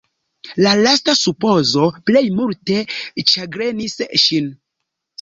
La lasta supozo plej multe ĉagrenis ŝin.